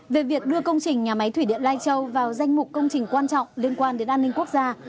về việc đưa công trình nhà máy thủy điện lai châu vào danh mục công trình quan trọng liên quan đến an ninh quốc gia